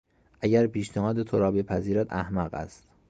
اگر پیشنهاد تو را بپذیرد احمق است.